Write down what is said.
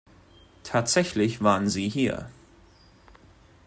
Tatsächlich waren sie hier.